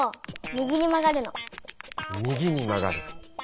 右にまがる。